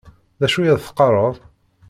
D acu i ad teqqaṛeḍ?